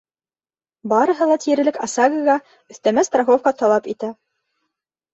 Барыһы ла тиерлек ОСАГО-ға өҫтәмә страховка талап итә.